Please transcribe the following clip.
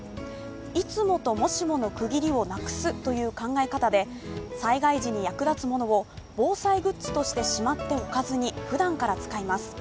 いつもともしもの区切りをなくすという考え方で災害時に役立つものを防災グッズとしてしまっておかずにふだんから使います。